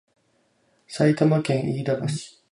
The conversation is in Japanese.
埼玉県飯田橋